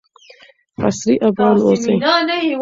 عصري افغان اوسئ.